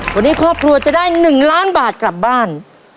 วันนี้ครอบครัวจะได้๑ล้านบาทกลับบ้าน